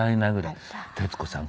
徹子さん